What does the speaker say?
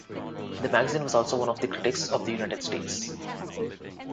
The magazine was also one of the critics of the United States.